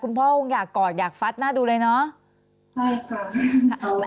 พ่อคงอยากกอดอยากฟัดหน้าดูเลยเนาะ